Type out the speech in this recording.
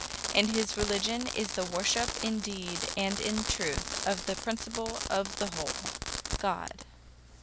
And his religion is the worship in deed and in truth of the principle of the whole God.